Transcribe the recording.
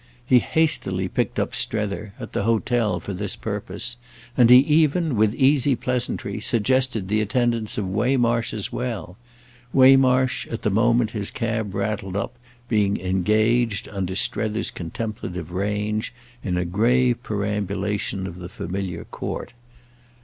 He hastily picked up Strether, at the hotel, for this purpose, and he even, with easy pleasantry, suggested the attendance of Waymarsh as well—Waymarsh, at the moment his cab rattled up, being engaged, under Strether's contemplative range, in a grave perambulation of the familiar court.